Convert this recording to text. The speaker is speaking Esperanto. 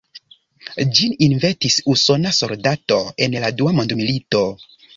Ĝin inventis usona soldato en la Dua mondmilito.